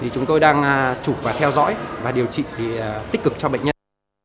chúng tôi đang chụp và theo dõi và điều trị tích cực cho bệnh nhân